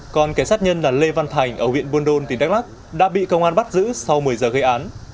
còn kẻ sát nhân là lê văn thành ở huyện buôn đôn tỉnh đắk lắc đã bị công an bắt giữ sau một mươi giờ gây án